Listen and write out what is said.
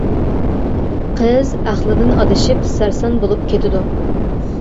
قىز ئەقلىدىن ئادىشىپ سەرسان بولۇپ كېتىدۇ.